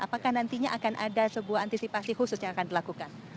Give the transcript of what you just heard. apakah nantinya akan ada sebuah antisipasi khusus yang akan dilakukan